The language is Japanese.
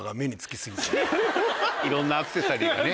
いろんなアクセサリーがね。